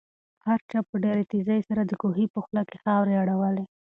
هر چا په ډېرې تېزۍ سره د کوهي په خوله کې خاورې اړولې.